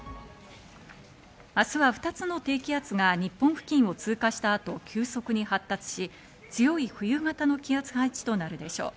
明日は２つの低気圧が日本付近を通過した後、急速に発達し、強い冬型の気圧配置となるでしょう。